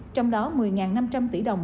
trong đó một mươi năm trăm linh tỷ đồng